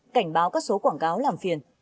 cảnh báo các số quảng cáo làm phiền